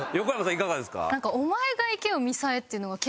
いかがですか？